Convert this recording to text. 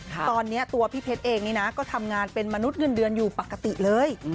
ตอนนี้ตัวพี่เพชรเองนี่นะก็ทำงานเป็นมนุษย์เงินเดือนอยู่ปกติเลย